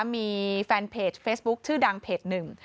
มีแฟนเพจเฟซบุ๊คชื่อดังเพจหนึ่ง